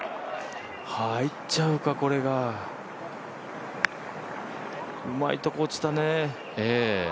入っちゃうか、これが、うまいとこ落ちたね。